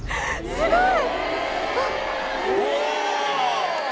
すごい！